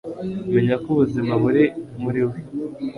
menya ko ubuzima buri muri we